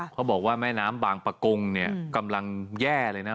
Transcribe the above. เขาบอกว่าแม่น้ำบางประกงเนี่ยกำลังแย่เลยนะ